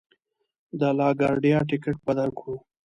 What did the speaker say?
د لا ګارډیا ټکټ به درکړو.